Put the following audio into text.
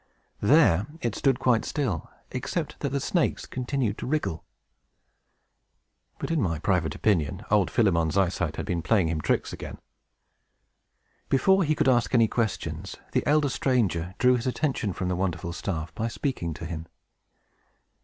There it stood quite still, except that the snakes continued to wriggle. But, in my private opinion, old Philemon's eyesight had been playing him tricks again. Before he could ask any questions, the elder stranger drew his attention from the wonderful staff, by speaking to him.